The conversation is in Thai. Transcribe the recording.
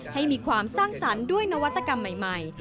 ให้มีความสร้างสรรค์ด้วยนวัตกรรมใหม่